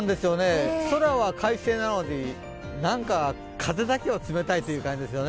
空は快晴なのに、何か風だけは冷たいという感じですよね。